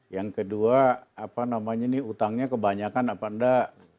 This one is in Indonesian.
yang kedua apa namanya nih utangnya kebanyakan apa enggak